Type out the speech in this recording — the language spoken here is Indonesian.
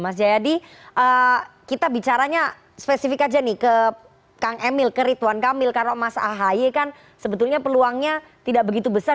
mas jayadi kita bicaranya spesifik aja nih ke kang emil ke rituan kamil karena mas ahaye kan sebetulnya peluangnya tidak begitu besar